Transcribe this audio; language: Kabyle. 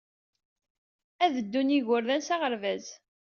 Ad ddun ed yigerdan s aɣerbaz.